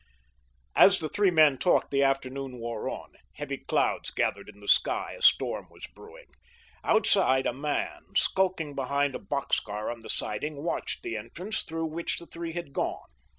As the three men talked the afternoon wore on. Heavy clouds gathered in the sky; a storm was brewing. Outside, a man, skulking behind a box car on the siding, watched the entrance through which the three had gone.